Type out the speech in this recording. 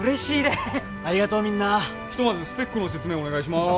ひとまずスペックの説明お願いします。